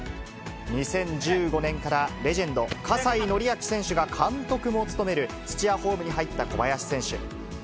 ２０１５年からレジェンド、葛西紀明選手が監督も務める土屋ホームに入った小林選手。